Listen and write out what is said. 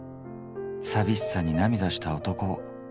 さびしさに涙した男を。